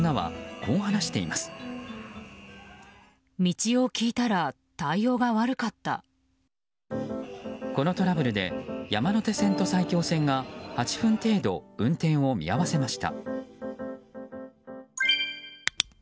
このトラブルで山手線と埼京線が８分程度、運転を見合わせました。